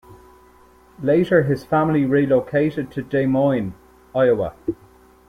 Later his family relocated to Des Moines, Iowa.